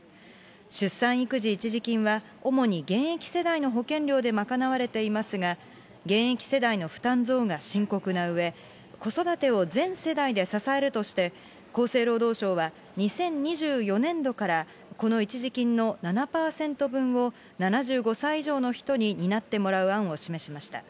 出産育児一時金は、主に現役世代の保険料で賄われていますが、現役世代の負担増が深刻なうえ、子育てを全世代で支えるとして、厚生労働省は、２０２４年度から、この一時金の７％分を、７５歳以上の人に担ってもらう案を示しました。